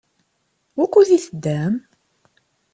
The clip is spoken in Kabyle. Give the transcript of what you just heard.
Wukud i teddam?